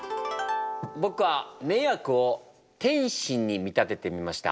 僕は「迷惑」を点心に見立ててみました。